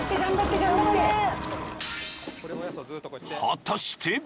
［果たして？］